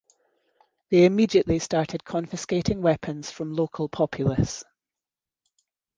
They immediately started confiscating weapons from local populace.